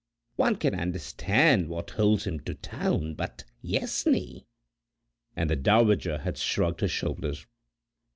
One can understand what holds him to Town, but Yessney " and the dowager had shrugged her shoulders.